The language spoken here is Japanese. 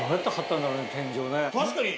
確かに。